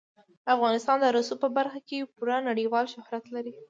افغانستان د رسوب په برخه کې پوره نړیوال شهرت لري.